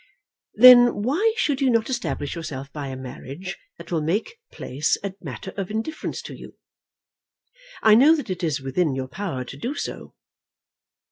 "Then why should you not establish yourself by a marriage that will make place a matter of indifference to you? I know that it is within your power to do so."